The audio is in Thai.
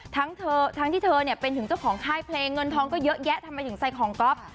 ทั้งที่เธอเป็นจักรของค่ายเพลงเงินท้องก็แยะทำไมถึงใส่ของกรอป